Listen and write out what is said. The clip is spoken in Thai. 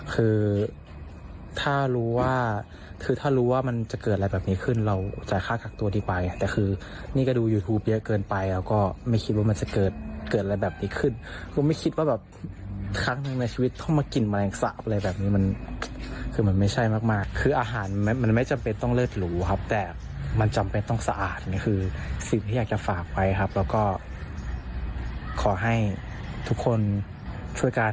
คือถ้ารู้ว่ามันจะเกิดอะไรแบบนี้ขึ้นเราจ่ายค่ากลับตัวดีไปแต่คือนี่ก็ดูยูทูปเยอะเกินไปเราก็ไม่คิดว่ามันจะเกิดเกิดอะไรแบบนี้ขึ้นก็ไม่คิดว่าแบบครั้งหนึ่งในชีวิตต้องมากินแบบนี้มันคือมันไม่ใช่มากมากคืออาหารมันมันไม่จำเป็นต้องเลิศหรูครับแต่มันจำเป็นต้องสะอาดนี่คือสิ่งที่อย